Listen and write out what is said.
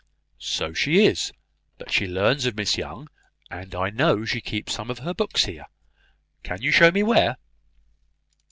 "So she is: but she learns of Miss Young, and I know she keeps some of her books here. Can you show me where?"